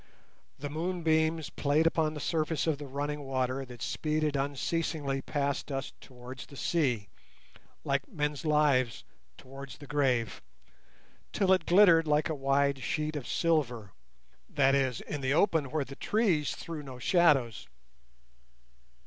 The moonbeams played upon the surface of the running water that speeded unceasingly past us towards the sea, like men's lives towards the grave, till it glittered like a wide sheet of silver, that is in the open where the trees threw no shadows.